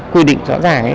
quy định rõ ràng